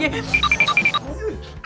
bau apa nih